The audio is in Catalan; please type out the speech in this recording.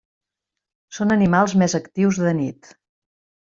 Són animals més actius de nit.